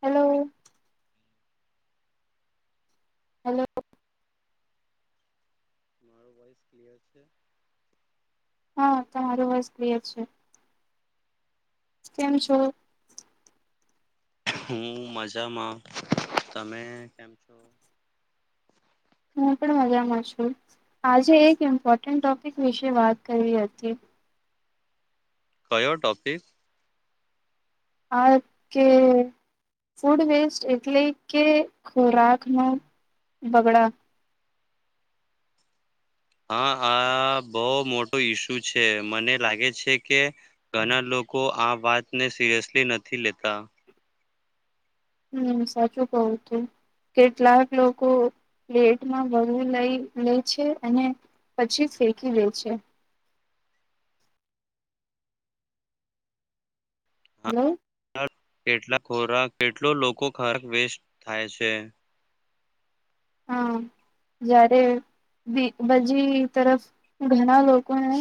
Hello hello. મારો voice clear છે. હા તમારું વોઇસ કિયર છે. કેમ છો? હું મજામાં તમે કેમ છો. હું પણ મજામાં છું આજે એક ઇમ્પોર્ટન્ટ ટોપિક વિશે વાત કરવી હતી. કયો ટોપિક. આ કે ફૂડ વેસ્ટ એટલે કે ખોરાક નો બગડા હા આ બહુ મોટો ઈસુ છે મને લાગે છે કે ઘણા લોકો આ વાત ને સિરિયસલી નથી લેતા. હમ્મ સાચું કવું તું કેટલાક લોકો પ્લેટમાં વળું લઈ લે છે અને પછી ફેકી દે છે. હલો. કેટલા ખોરાક કેટલો લોકો ખરાક વેસ્ટ થાય છે. હા જ્યારે બી બજી તરફ ઘણા લોકોને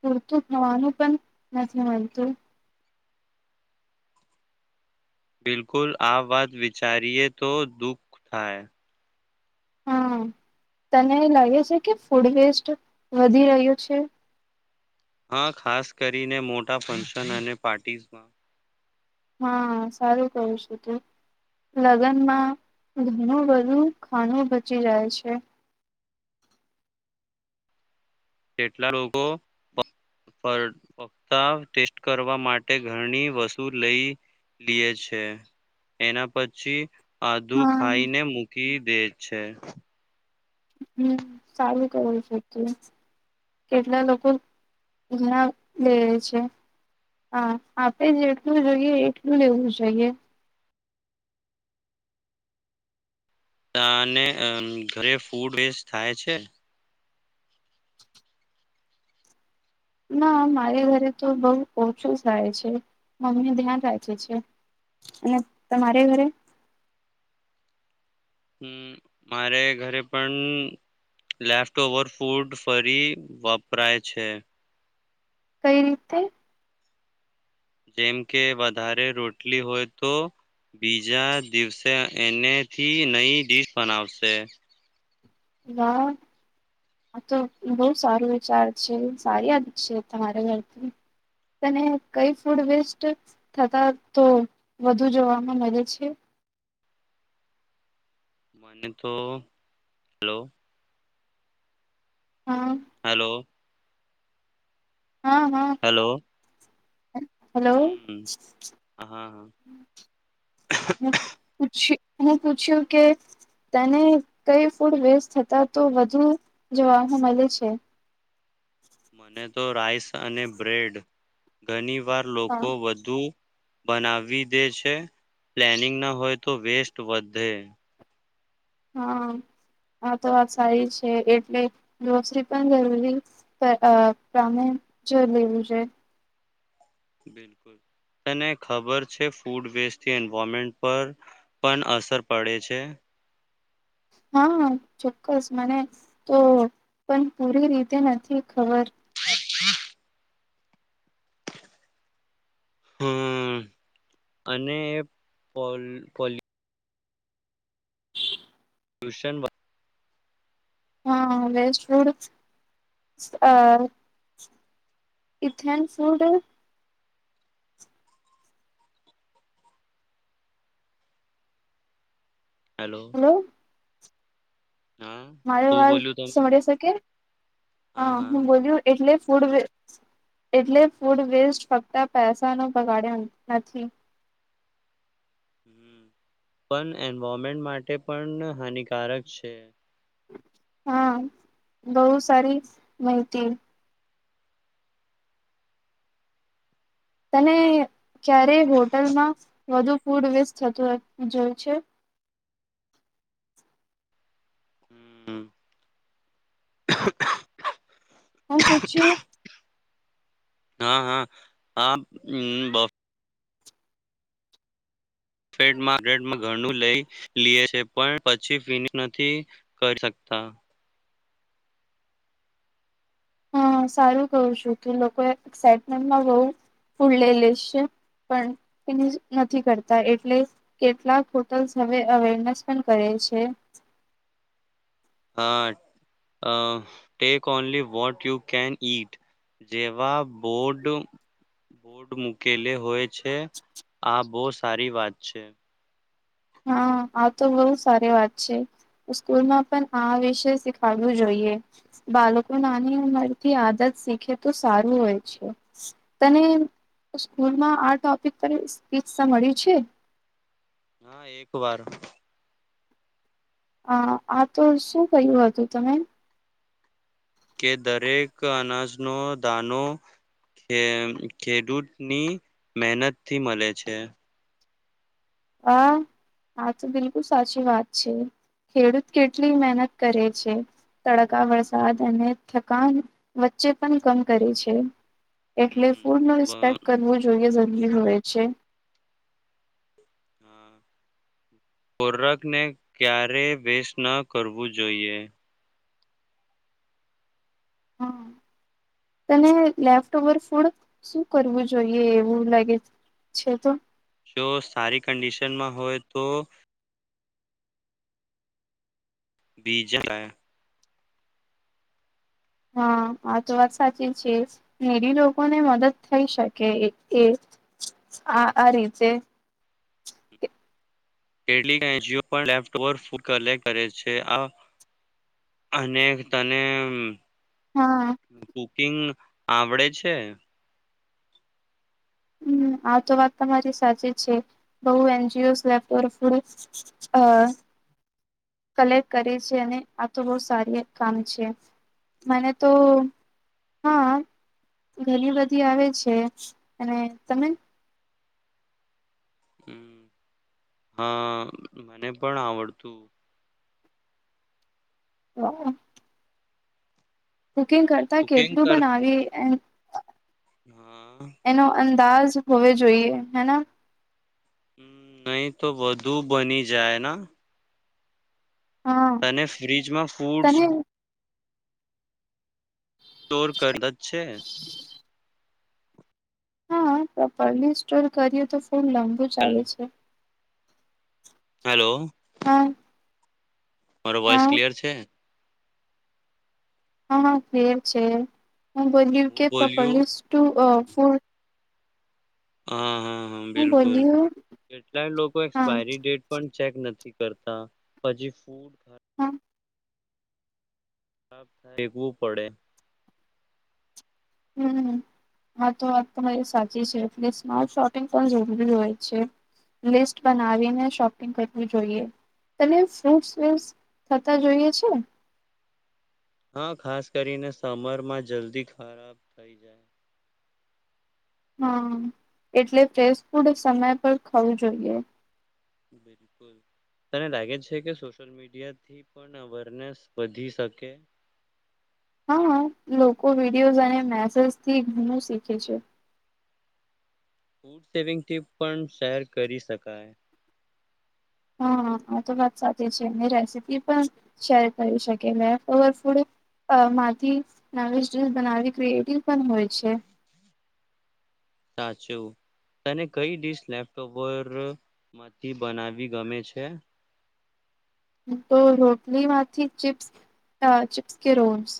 પૂરતું ખવાનું પણ નથી મળતું. બિલકુલ આ વાત વિચારીએ તો દુઃખ થાય. હા તને એ લાગે છે, કે ફૂડ વેસ્ટ વધી રહ્યો છે? હા ખાસ કરીને મોટા ફંક્શન, અને પાર્ટીસમાં. હા સારું કરું છું, તું લગ્નમાં ઘણું બધું ખાણું બચી જાય છે. કેટલા લોકો ફ ફક્ત ટેસ્ટ કરવા માટે ઘણી વસ્તુ લઈ લીયે છે, એના પછી આદું હા ખાઈ ને મુ મૂકી દે છે. હમ સારું કરવું છે તું કેટલા લોકો ઘણા લે છે, હા આપે જેટલું જોઈએ એટલું લેવું જોઈએ. ત અને અ ઘરે ફૂડ વેસ્ટ થાય છે? ના મારે ઘરે તો બહુ ઓછું થાય છે, મમ્મી ધ્યાન રાખે છે, અને તમારે ઘરે? હમ મારે ઘરે પણ લેફ્ટ ઓવર ફૂડ ફરી વપરાય છે. કઈ રીતે? જેમ કે વધારે રોટલી હોય તો બીજા દિવસે એનેથી નઈ ડડીશ બનાવશે. વાહ આ તો બહ સારો વિચાર છે, સારી દ છે તમારા ઘરથી તને કઈ ફૂડ વેસ્ટ થતા તો વધુ જોવામાં મળે છે? મને તો હલો હા હલો હા હા હેલો. હલો હા હા પછી હું પૂછ્યું કે તને કઈ ફૂડ વેસ્ટ થાતા વધુ જોવા મળે છે. મને તો રાઈસ, અને બ્રેડ ઘણી વાર હા લોકો વધુ બનાવી દે છે, પ્લેનિંગ ના હોય તો વેસ્ટ વધે હા હા તો વાત સારી છે, એટલે ગોસરી પણ જરૂરી અ પ્રમે પ્રામે જો લેવું છે. બિલકુલ તને ખબર છે ફૂડ વેસ્ટથી એન્વામેન્ટ પર પણ અસર પડે છે? હા ચોક્કસ મને તો પણ પૂરી રીતે નથી ખબર. હમ અને પો ટ્યુશન વ હા વેસ્ટ ફૂડ અહ [unintelligible] ફૂડ હલો. હા મારી શું વાત બોલ્યું તમે સોળી શકે? હા હું બોલ્યું એટલે ફૂડવ એટલે ફૂડવેસ્ટ ફક્ત પૈસાનો બગાડ્યો નથી. હમ્મ. પણ એન્વારમેન્ટ માટે પન હાનિકારક છે. હા બહું સારી માહિતી તને ક્યારે હોટલમાં વધુ ફૂડ વેસ્ટ થતું જોયું છે? હમ હું પુછયું હા, હા, હા, હમ્મ બ [unintelligible] ઘણું લઈ લ્યે છે, પણ પછી ફિનિશ નથી કરી શકતા. હા સારું કહું છું તું. લોકોએ એક્સઇટમેન્ટમાં બહુ ફૂલ લે લે સે, પણ એની નથી કરતા એટલે કેટલાક હોટલ્સ હવે અવેરનેસ પણ કરે છે. હ અહ take only what you can eat જેવા બોર્ડ મૂકેલે હોય છે, આ બહું સારી વાત છે. હા આ તો બહુ સારી વાત છે, સ્કૂલમાં પણ આ વિષય શીખડવું જોઈએ. બાલકો નાની ઉંમરથી આદત શીખે તો સારું હોય છે, તને સ્કૂલમાં આ ટોપિક પર સ્પીચ સ મળ્યું છે? હા એક વાર. હા આ તો શું ક્યું હતું તમે? કે દરેક અનાજનો દાનો કે ખેડૂતની મહેનતથી મલે છે. હા આ તો બિલકુલ સાચી વાત છે, ખેડૂત કેટલી મહેનત કરે છે, તડકા [unintelligible] અને થકાન વચ્ચે પણ કમ કરે છે. એટલે હમ ફૂડ નો વ- રિસ્પેક્ટ કરવું જોઈએ જ [unintelligible] છે. હા, ખોરાક ને ક્યારે વેસ્ટ ન કરવું જોઈએ. હા. તને લેફ્ટવર ફૂડ શું કરવું જોઈએ એવું લાગે છે તો? જો સારી કન્ડિશનમાં હોય તો બી જલા [inaudible] હા આ તો વાત સાચી છે. નીડી લોકો ને મદદ થઈ શકે એ એ આ આ રીતે. [unintelligible] એન જી ઓ પણ લેફ્ટઓવર ફૂડ કલેક્ટ કરે છે આ અને તને મમ હા કુકિંગ આવડે છે? હમ્મ. આ તો વાત તમારી સાચી છે. બહુ N G Os leftover food અહ કલેક્ટ કરે છે અને આ તો બહું સારી એક કામ છે. મને તો હા ઘણી બધી આવે છે. અને તમે? હમ્મ. હા મને પણ આવડતું. [inaudible] કુકિંગ કરતા કુકિંગ કેટલું કર બનાવીએ એમ હા. દાજ હોવે જોઈએ હેના. હમ્મ. નહી તો વધુ બની જાય ના? હા તને ફ્ર્રીજમાં ફૂડસ તને સ્ટોર કરતા છે? હા પ્રોપરલી સ્ટોર કરીએ તો ખૂબ લાંબુ ચાલે છે. હલો. હા. મારો હા વોઇસ ક્લિયર છે, હા હા ક્લિયર છે હું બોલી કે હું બોલ્યું પ્રોપરલીઝ ટુ ફુ [inaudible] હા હા બિલકુલ બોલ્યું કેટલાય લોકો હા હા એક્સપાયરી ડેટ પણ ચેક નથી કરતા પછી ફૂ [inaudible] હમ્મ [inaudible] ફેકવું પડે, હમ હા તો વાત તોરી સાચી છે, એટલે સ્માર્ટ શોપિંગ પણ જરૂરી હોય છે, લિસ્ટ બનાવીને શોપિંગ કરવું જોઈએ તને ફ્રૂટ્સ થતા જોઈએ છે, હા ખાસ કરીને સમર માં જલ્દી ખરાબ થઈ, જાય હા એટલે પ્રેસ ફૂડ સમય પર ખાવું જોઈએ, બિલકુલ તને લાગે છે, કે સોશિયલ મીડિયા થી પણ અવેરનેસ વધી શકે, હા લોકો વિડિયોઝ અને મેસેસથી ઘણું શીખે છે, ફૂડ સેવિંગ ટીપ પણ શેર કરી શકાય, હા આ તો વાત સાચી છે, રેસીપી પણ શેર કરી શકે લેફ્ટઓવર ફૂડ અ માંથી નવી જ રીલ બનાવી ક્રિએટિવ પણ હોય છે, સાચું તને કઈ ડિશ લેફ્ટઓવર માંથી બનાવી ગમે છે, હુંતો રોટલીમાંથી ચિપ્સ અ ચિપ્સ કે રોલ્સ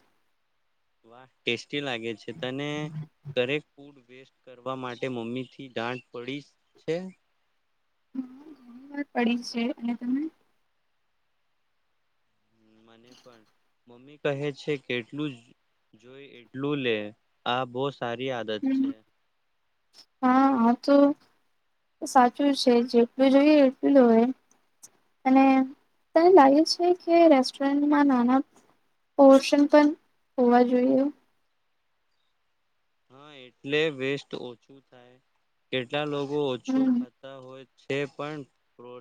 વાહ ટેસ્ટી લાગે છે, તને ઘરે ફૂડ વેસ્ટ કરવા માટે મમ્મી થી દાંટ પડી છે, હ ઘણી વાર પડી છે, અને તમે મને પણ મમ્મી કહે છે, કે એટલું જોઈ એટલું લે આ બોસ સારી આદત છે, હા આ તો સાચું છે, જેટલું જોઈએ એટલું હોય અને તને લાગે છે, કે રેસ્ટોરન્ટમાં નાના પોર્શન પણ હોવા જોઈએ, હા એટલે વેસ્ટ ઓછું થાય કેટલા લોકો બહ ઓછું હમ ખાતા હોય તે પણ પ્રો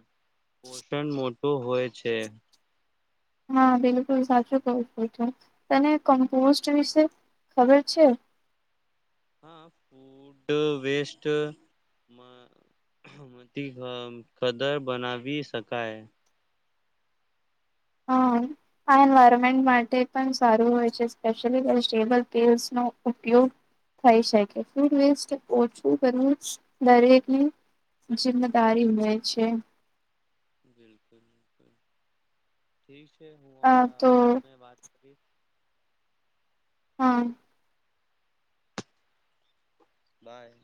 પોષણ મો શું હોય છે, હા બિલકુલ સાચું ક છું તને કોમ્પોસ્ટ વિશે ખબર છે, હા ફૂડ વેસ્ટ ખદર બનાવી શકાય હ આ એન્વાયરમેન્ટ માટે પણ સારું હોય છે, સ્લી વેબ પ ન ઉપયોગ થઈ શકે ફૂડ વસ્ટ ઓછું કરવું દરેકની જિમ્મેદારી હોય છે, [unintelligible] હું આ તો હમણાં બાદ વાત કરી હમ્મ બાય